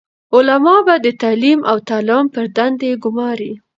علماء به د تعليم او تعلم پر دندي ګماري،